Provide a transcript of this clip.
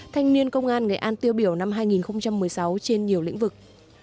thanh niên công an nghệ an tiêu biểu năm hai nghìn một mươi sáu trên nhiều lĩnh vực